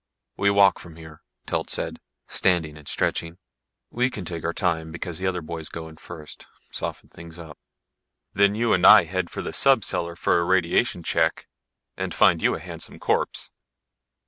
"We walk from here," Telt said, standing and stretching. "We can take our time, because the other boys go in first, soften things up. Then you and I head for the sub cellar for a radiation check and find you a handsome corpse."